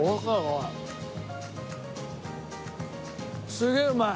すげえうまい。